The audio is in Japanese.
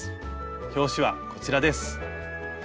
表紙はこちらです。